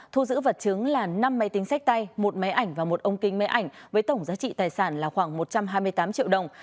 thu giữ vật chứng là năm máy tính sách tay một máy ảnh và một ông kinh máy ảnh với tổng giá trị tài sản là khoảng một trăm hai mươi tám triệu đồng